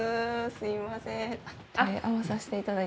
すいません